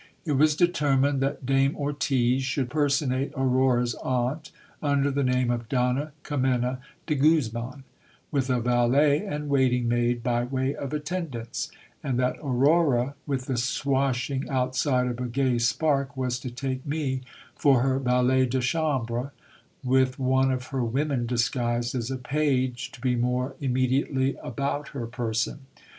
It was determined that Dame Ortiz should personate Aurora's aunt, under the name of Donna Kimena de Guzman, with a valet and waiting maid by way of attendance ; and that Aurora, with the swashing outside of a gay spark, was to take me for her valet de chambre, with one of her women disguised as a page, to be more immediately about her person.